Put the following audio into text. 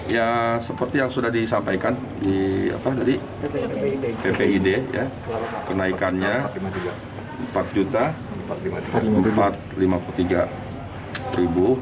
ya seperti yang sudah disampaikan di ppid kenaikannya rp empat puluh tiga